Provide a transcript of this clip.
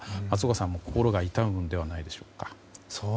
松岡さんも心が痛むんじゃないでしょうか。